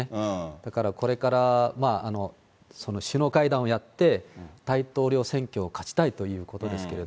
だからこれから首脳会談をやって、大統領選挙を勝ちたいということですけれども。